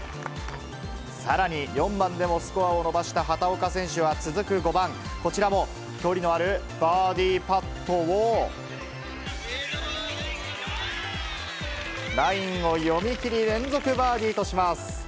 さらに４番でも、スコアを伸ばした畑岡選手は続く５番、こちらも距離のあるバーディーパットを、ラインを読み切り、連続バーディーとします。